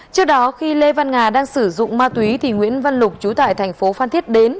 trước đó khi lê văn nga đang sử dụng ma túy thì nguyễn văn lục trú tại thành phố phan thiết đến